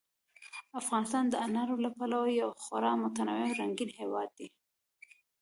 افغانستان د انارو له پلوه یو خورا متنوع او رنګین هېواد دی.